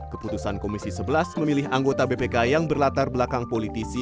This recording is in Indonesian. keputusan komisi sebelas memilih anggota bpk yang berlatar belakang politisi